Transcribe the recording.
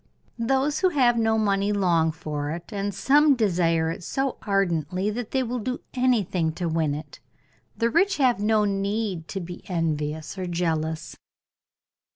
"Those who have no money long for it, and some desire it so ardently they will do anything to win it; the rich have no need to be envious or jealous."